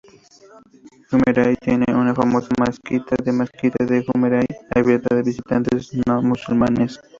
Jumeirah tiene una famosa mezquita, la Mezquita de Jumeirah, abierta a visitantes no musulmanes.